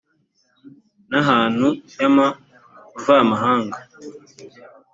n ahantu y amavamahanga